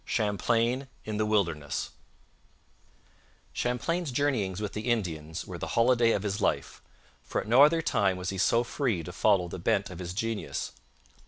CHAMPLAIN IN THE WILDERNESS Champlain's journeyings with the Indians were the holiday of his life, for at no other time was he so free to follow the bent of his genius.